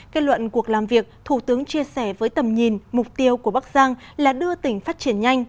kết luận cuộc làm việc thủ tướng chia sẻ với tầm nhìn mục tiêu của bắc giang là đưa tỉnh phát triển nhanh